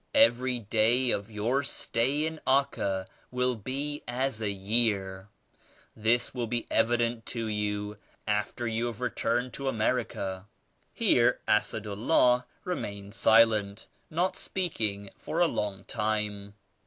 Every day of your stay in Acca will be as a year. This will be evident to you after you have re turned to America." Here Assad Ullah re mained silent; not speaking for a long time.